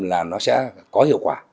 là nó sẽ có hiệu quả